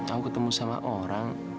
aku ketemu sama orang